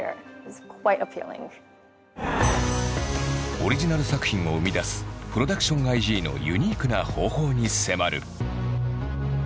オリジナル作品を生み出すＰｒｏｄｕｃｔｉｏｎＩ．Ｇのユニークな方法に迫る！